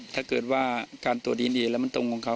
ถ้าเกิดว่าการตรวจดีแล้วมันตรงของเขา